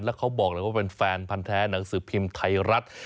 แล้วเขาบอกเลยว่าเป็นแฟนพันธ์แท้หนังสือพิมพ์ไทยรัฐ